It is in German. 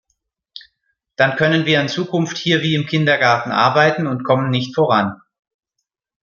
Dann können wir in Zukunft hier wie im Kindergarten arbeiten und kommen nicht voran.